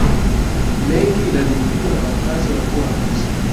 mengi idadi kubwa ya wakazi walikuwa Wakristo